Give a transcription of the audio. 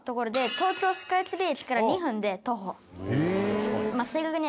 とうきょうスカイツリー駅から２分で徒歩。